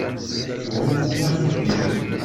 Tettɛummuḍ axiṛ-iw.